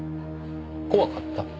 怖かった？